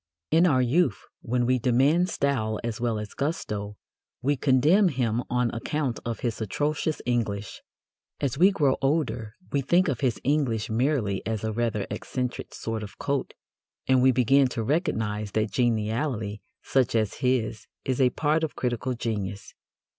In our youth, when we demand style as well as gusto, we condemn him on account of his atrocious English. As we grow older, we think of his English merely as a rather eccentric sort of coat, and we begin to recognize that geniality such as his is a part of critical genius.